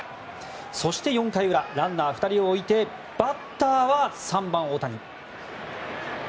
そして、４回裏ランナー２人を置いてバッターは３番、大谷。